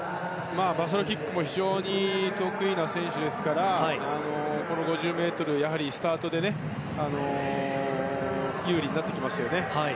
バサロキックも非常に得意な選手ですからこの５０ｍ、スタートで有利になってきますね。